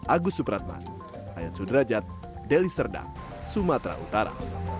agus supratman ayat sudrajat deli serdak sumatera utara